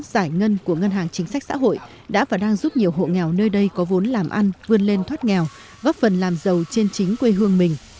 giải ngân của ngân hàng chính sách xã hội đã và đang giúp nhiều hộ nghèo nơi đây có vốn làm ăn vươn lên thoát nghèo góp phần làm giàu trên chính quê hương mình